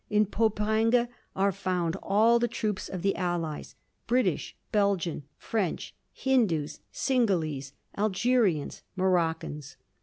In Poperinghe are found all the troops of the Allies: British, Belgian, French, Hindus, Cingalese, Algerians, Moroccans.